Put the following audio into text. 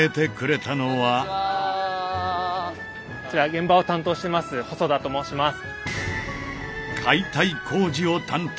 現場を担当してます細田と申します。